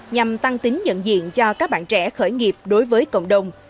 nhằm tăng tính nhận diện cho các bạn trẻ khởi nghiệp đối với cộng đồng